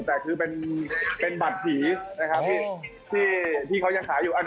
แต่คือเป็นบัตรผีนะครับที่เขายังขายอยู่